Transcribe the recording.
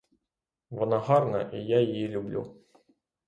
Вона гарна і я її люблю.